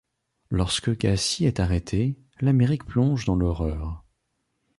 Lorsque Gacy est arrêté, l'Amérique plonge dans l'horreur.